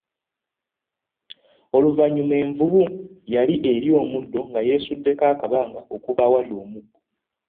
Oluvanyuma, envubu yali erya omuddo nga yesuddeko akabanga okuva awali omugga.